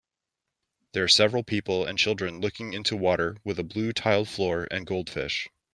There are several people and children looking into water with a blue tiled floor and goldfish.